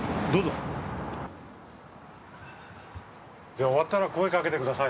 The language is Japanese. じゃ終わったら声かけてください。